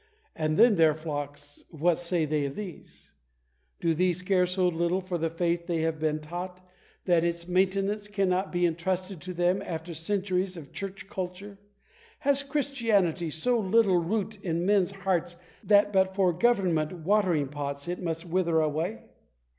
And then their flocks — what say they of these ? Do these care so little for the faith they have been taught, that its maintenance cannot be entrusted to them ? After centuries of church culture, has Christianity got so little root in mens hearts that but for government watering pots it must wither away?